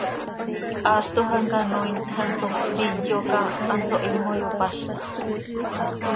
Haaztoj hamcanoiin quij hanso cötíyoca, hanso himo xopazlax.